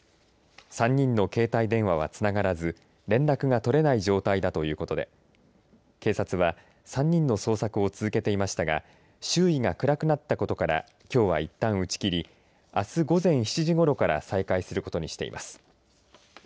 ３人の携帯電話はつながらず連絡が取れない状態だということで警察は３人の捜索を続けていましたが周囲が暗くなったことからきょうはいったん打ち切りあす午前７時ごろから再開することにしています。